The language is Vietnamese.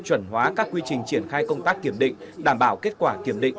chuẩn hóa các quy trình triển khai công tác kiểm định đảm bảo kết quả kiểm định